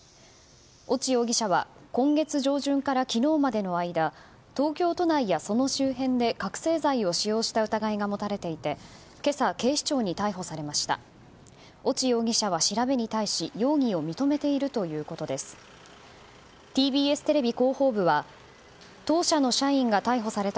越智容疑者は今月上旬から昨日までの間東京都内や、その周辺で覚醒剤を使用した疑いが持たれていて今朝、警視庁に逮捕されました。